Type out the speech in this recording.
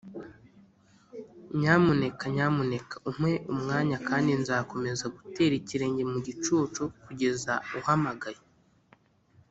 nyamuneka nyamuneka umpe umwanya kandi nzakomeza gutera ikirenge mu gicucu kugeza uhamagaye.